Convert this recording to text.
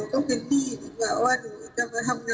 ฉันช่วยที่กลับทำงานมาบ้าง